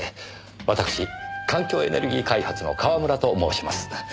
わたくし環境エネルギー開発の川村と申します。